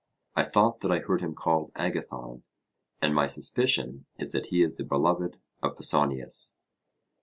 I thought that I heard him called Agathon, and my suspicion is that he is the beloved of Pausanias.